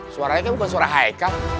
suaranya kan bukan suara haikal